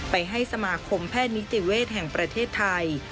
ไปให้สมาคมแพทย์นิติเวศแห่งประเทศไทย